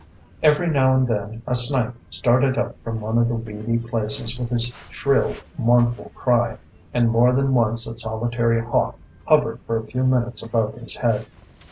Every now and then a snipe started up from one of the weedy places with his shrill, mournful cry, and more than once a solitary hawk hovered for a few minutes above his head.